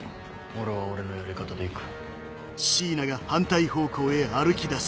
俺は俺のやり方でいく。